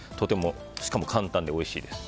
しかも簡単でおいしいです。